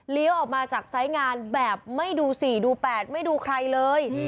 เลี้ยวออกมาจากทรายงานแบบไม่ดูสี่ดูแปดไม่ดูใครเลย